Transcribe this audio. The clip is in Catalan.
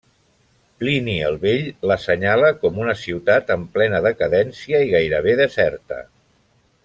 Plini el Vell l'assenyala com una ciutat en plena decadència i gairebé deserta.